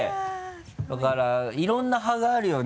だからいろんな派があるよね。